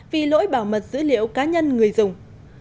vì lỗi bảo mật dữ liệu cá nhân người dùng